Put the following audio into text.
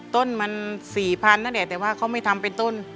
ต้นมันสี่พันธุ์นะแหละแต่ว่าเขาไม่ทำเป็นต้น